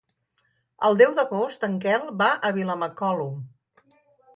El deu d'agost en Quel va a Vilamacolum.